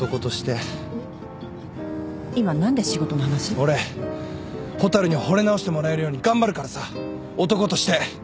俺蛍にほれ直してもらえるように頑張るからさ男として。